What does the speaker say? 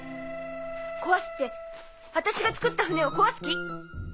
壊すって私が作った艇を壊す気？